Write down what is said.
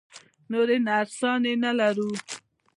نورې نرسانې نه لرو؟